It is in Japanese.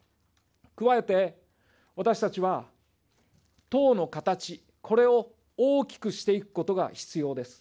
加えて、私たちは党の形、これを大きくしていくことが必要です。